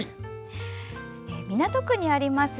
港区にあります